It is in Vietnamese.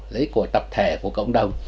lợi ích của tập thể của cộng đồng